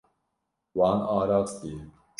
Wan arastiye.